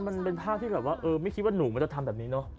มันเป็นภาพที่แบบว่าเออไม่คิดว่าหนูมันจะทำแบบนี้เนอะ